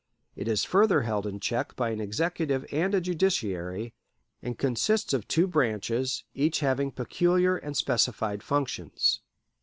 It is further held in check by an executive and a judiciary, and consists of two branches, each having peculiar and specified functions.